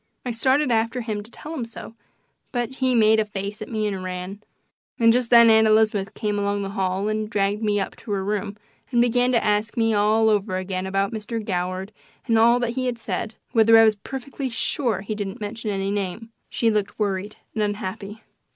I started after him to tell him so, but he made a face at me and ran; and just then Aunt Elizabeth came along the hall and dragged me up to her room and began to ask me all over again about Mr. Goward and all that he said whether I was perfectly SURE he didn't mention any name. She looked worried and unhappy.